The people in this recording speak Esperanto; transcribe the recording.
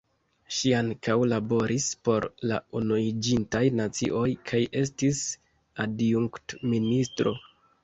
Ŝi ankaŭ laboris por la Unuiĝintaj Nacioj kaj estis adjunkt-ministro.